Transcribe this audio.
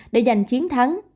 để giành chiến thắng